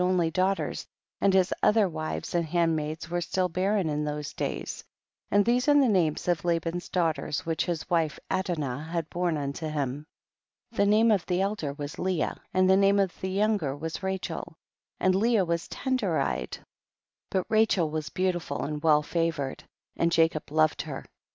85 only daughters, and his other wives and handmaids were still barren in those days ; and these are the names of Laban's daughters which his wife Adinah had borne unto him ; the name of the elder was Lear and the name of the younger was Rachel ; and Leah was tender eyed, but Ra chel was beautiful and well favored, and Jacob loved her.